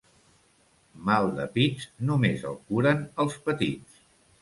Mal de pits només el curen els petits.